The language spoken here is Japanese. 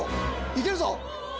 いけるぞ！